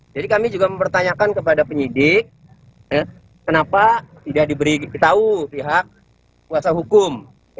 jadi kami juga mempertanyakan kepada penyidik kenapa tidak diberitahu pihak kuasa hukum